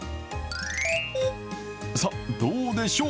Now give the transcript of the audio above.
さあ、どうでしょう。